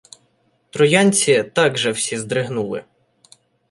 Троянці также всі здригнули